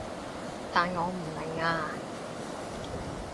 但我唔明啊